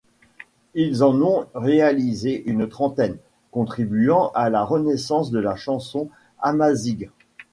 Ils en ont réalisé une trentaine, contribuant à la renaissance de la chanson amazighe.